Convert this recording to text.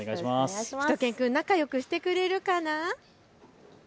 しゅと犬くん仲よくしてくれるかな？